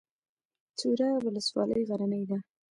چوره ولسوالۍ غرنۍ ده؟